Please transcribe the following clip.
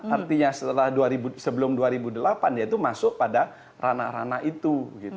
artinya sebelum dua ribu delapan yaitu masuk pada rana rana itu